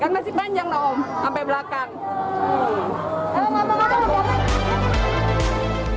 kan masih panjang dong sampai belakang